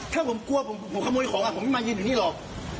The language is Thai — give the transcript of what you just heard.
ถ้าผมกลัวผมขโมยของผมไม่มายืนอยู่นี่หรอก